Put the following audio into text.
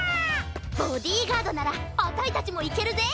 ボディーガードならあたいたちもいけるぜ！